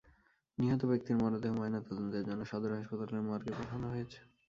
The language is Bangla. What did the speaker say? নিহত ব্যক্তির মরদেহ ময়নাতদন্তের জন্য সদর হাসপাতালের মর্গে পাঠানো হয়েছে।